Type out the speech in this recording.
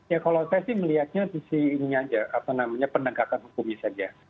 ya kalau saya sih melihatnya di sisi ini saja apa namanya pendengkakan hukum saja